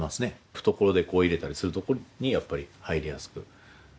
懐手こう入れたりするところにやっぱり入りやすくなるように常々。